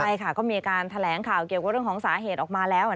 ใช่ค่ะก็มีการแถลงข่าวเกี่ยวกับเรื่องของสาเหตุออกมาแล้ว